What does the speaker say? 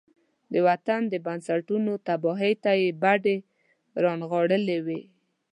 د وطن د بنسټونو تباهۍ ته يې بډې را نغاړلې وي.